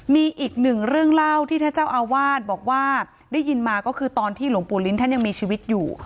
มีอีกหนึ่งเรื่องเล่าที่ท่านเจ้าอาวาสบอกว่าได้ยินมาก็คือตอนที่หลวงปู่ลิ้นท่านยังมีชีวิตอยู่